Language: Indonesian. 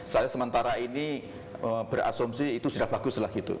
saya sementara ini berasumsi itu sudah baguslah gitu